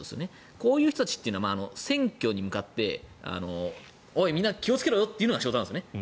こういう人たちは選挙に向かっておいみんな気をつけろよと言うのが仕事なんですよね。